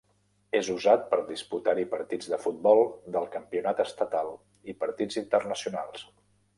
És usat per disputar-hi partits de futbol del campionat estatal i partits internacionals.